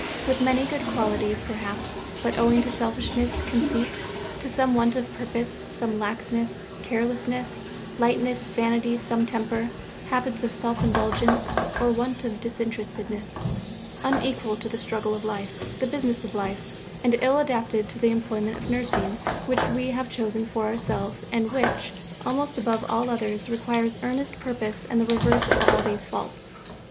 with many good qualities, perhaps, but owing to selfishness, conceit, to some want of purpose, some laxness, carelessness, lightness, vanity, some temper, habits of self indulgence, or want of disinterestedness, unequal to the struggle of life, the business of life, and ill adapted to the employment of Nursing which we have chosen for ourselves and which, almost above all others, requires earnest purpose and the reverse of all these faults.